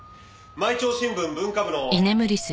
毎朝新聞文化部の。